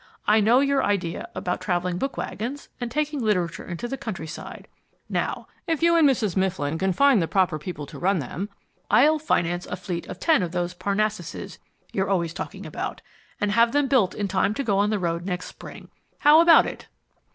I know your idea about travelling book wagons, and taking literature into the countryside. Now if you and Mrs. Mifflin can find the proper people to run them, I'll finance a fleet of ten of those Parnassuses you're always talking about, and have them built in time to go on the road next spring. How about it?"